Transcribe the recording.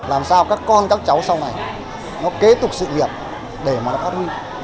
làm sao các con các cháu sau này nó kế tục sự nghiệp để mà nó phát huy